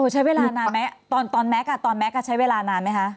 ใช้เวลานานไหมตอนแม็กซ์ตอนแก๊กใช้เวลานานไหมคะ